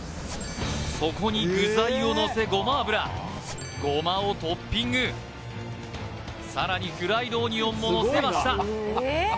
そこに具材をのせごま油ごまをトッピングさらにフライドオニオンものせました